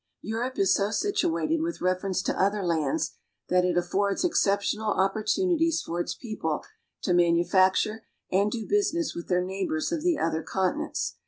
Europe is so situated with reference to other lands that it affords exceptional opportunities for its people to manu facture and do business with their neighbors of the other continents.